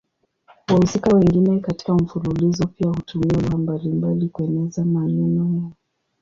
Wahusika wengine katika mfululizo pia hutumia lugha mbalimbali kuelezea maneno yao.